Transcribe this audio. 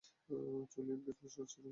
চলো এনগেজমেন্টের কাজ শুরু করি।